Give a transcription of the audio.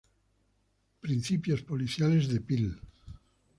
Principios policiales de Peel